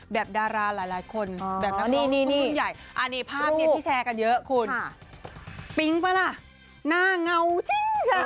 แบบดาราหลายคนอันนี้ภาพที่แชร์กันเยอะคุณปิ๊งปะล่ะหน้าเงาชิ้นชัก